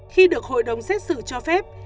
khi được hội đồng xét xử cho phép